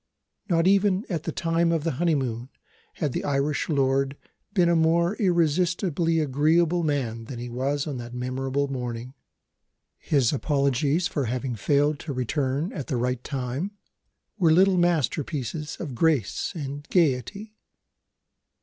Not even at the time of the honeymoon had the Irish lord been a more irresistibly agreeable man than he was on that memorable morning. His apologies for having failed to return at the right time were little masterpieces of grace and gaiety.